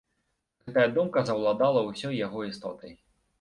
Гэтая думка заўладала ўсёй яго істотай.